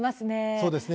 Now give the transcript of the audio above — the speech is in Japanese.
そうですね。